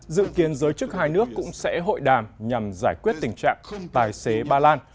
dự kiến giới chức hai nước cũng sẽ hội đàm nhằm giải quyết tình trạng không tài xế ba lan